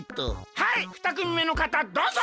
はいふたくみめのかたどうぞ！